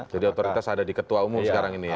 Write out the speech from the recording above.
jadi otoritas ada di ketua umum sekarang ini ya